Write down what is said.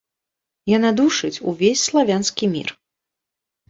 Яна душыць увесь славянскі мір.